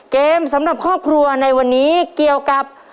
เกมสำหรับครอบครัวในวันนี้เกี่ยวกับ